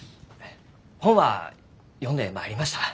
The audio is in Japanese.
本は読んでまいりました。